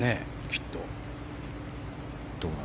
きっと。